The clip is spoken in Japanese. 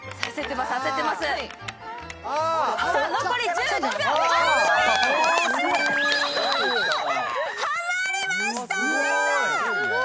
はまりましたー！